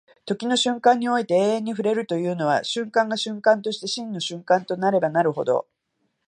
時の瞬間において永遠に触れるというのは、瞬間が瞬間として真の瞬間となればなるほど、